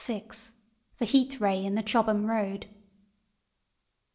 THE HEAT RAY IN THE CHOBHAM ROAD.